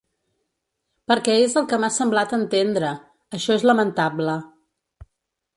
Perquè és el que m’ha semblat entendre… Això és lamentable.